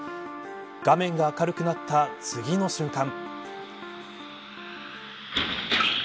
画面が明るくなった次の瞬間。